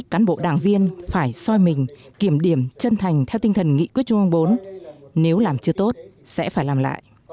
cán bộ đảng viên phải soi mình kiểm điểm chân thành theo tinh thần nghị quyết trung ương bốn nếu làm chưa tốt sẽ phải làm lại